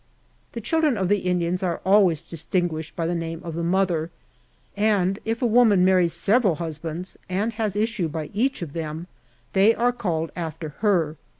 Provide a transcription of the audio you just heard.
The children or" the Indians are always distinguished by the name of the mother; and if a woman marries several hus bands, and has issue by each of them, they are called after her.